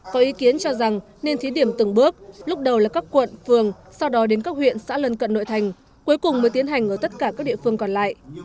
có ý kiến cho rằng nên thí điểm từng bước lúc đầu là các quận phường sau đó đến các huyện xã lân cận nội thành cuối cùng mới tiến hành ở tất cả các địa phương còn lại